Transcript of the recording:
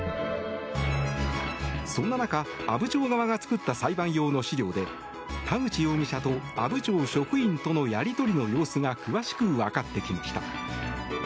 そんな中、阿武町側が作った裁判用の資料で田口容疑者と阿武町職員とのやり取りの様子が詳しく分かってきました。